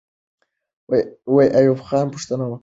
ایوب خان پوښتنه وکړه.